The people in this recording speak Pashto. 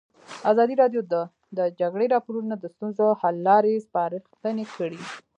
ازادي راډیو د د جګړې راپورونه د ستونزو حل لارې سپارښتنې کړي.